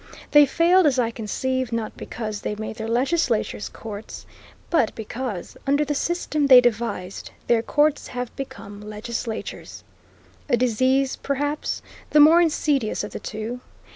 They failed, as I conceive, not because they made their legislatures courts, but because, under the system they devised, their courts have become legislatures. A disease, perhaps, the more insidious of the two.